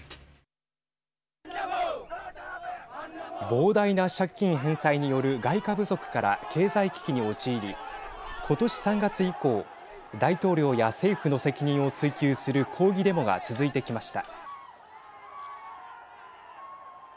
膨大な借金返済による外貨不足から経済危機に陥りことし３月以降大統領や政府の責任を追及する抗議デモが続いてきました。